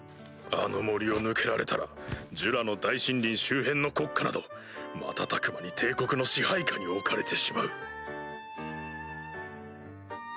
あの森を抜けられたらジュラの大森林周辺の国家など瞬く間に帝国の支配下に置かれてしまう。